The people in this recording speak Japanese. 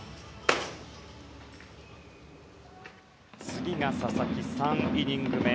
次が佐々木、３イニング目。